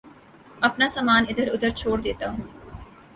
اپنا سامان ادھر ادھر چھوڑ دیتا ہوں